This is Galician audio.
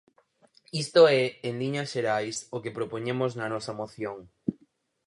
Isto é, en liñas xerais, o que propoñemos na nosa moción.